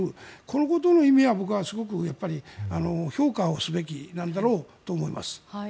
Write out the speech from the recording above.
このことの意味は僕はすごく評価すべきなんだろうと思います。